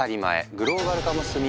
グローバル化も進み